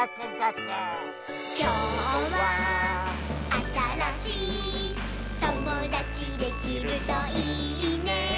「きょうはあたらしいともだちできるといいね」